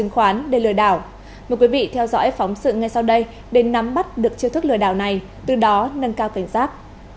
một thủ đoạn mới là trứng khoán để lừa đảo mời quý vị theo dõi phóng sự ngay sau đây để nắm bắt được chiêu thức lừa đảo này từ đó nâng cao cảnh giác